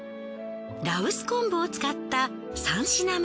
羅臼昆布を使った３品目。